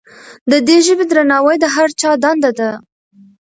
د دې ژبې درناوی د هر چا دنده ده.